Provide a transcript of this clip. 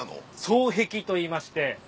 双璧といいまして。